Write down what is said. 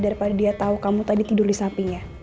daripada dia tau kamu tadi tidur disampingnya